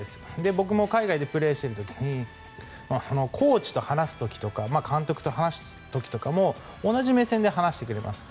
僕も海外でプレーしてる時にコーチと話す時とか監督と話す時も同じ目線で話してくれます。